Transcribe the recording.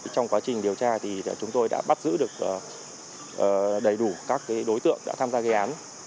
trong quá trình điều tra thì chúng tôi đã bắt giữ được đầy đủ các đối tượng đã tham gia gây án